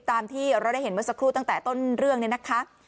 ตามที่เราได้เห็นเมื่อสักครู่ตั้งแต่ต้นเรื่องเนี่ยนะคะ